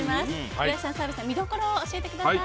岩井さん、澤部さん見どころを教えてください。